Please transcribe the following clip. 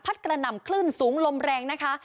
กระหน่ำคลื่นสูงลมแรงนะคะ